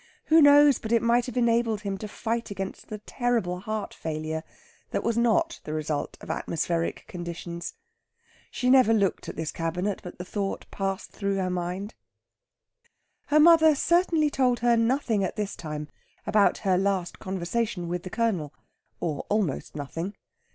Who knows but it might have enabled him to fight against that terrible heart failure that was not the result of atmospheric conditions. She never looked at this cabinet but the thought passed through her mind. Her mother certainly told her nothing at this time about her last conversation with the Colonel, or almost nothing.